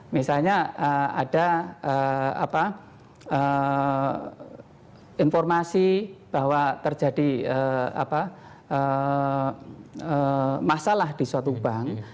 misalnya ada informasi bahwa terjadi masalah di suatu bank